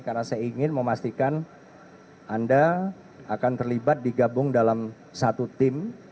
karena saya ingin memastikan anda akan terlibat digabung dalam satu tim